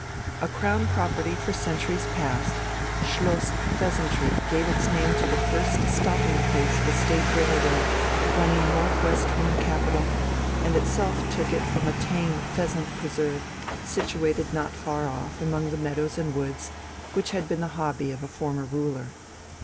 A Crown property for centuries past, Schloss "Pheasantry" gave its name to the first stopping place of a State railway running north west from the capital, and itself took it from a "tame" pheasant preserve, situated not far off among the meadows and woods, which had been the hobby of a former ruler.